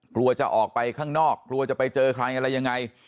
กลัวจะออกไปข้างนอกกลัวจะไปเจอใครอะไรยังไง